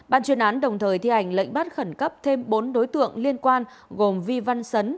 ban chuyên án đồng thời thi hành lệnh bắt khẩn cấp thêm bốn đối tượng liên quan gồm vi văn sấn